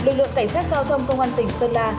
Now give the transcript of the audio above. lực lượng cảnh sát giao thông công an tỉnh sơn la